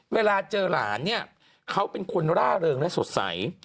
เวลาเจอหลานเนี่ยเขาเป็นคนร่าเริงและสดใส